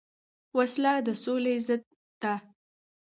وسله د سولې ضد ده